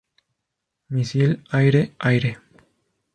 Misil aire-aire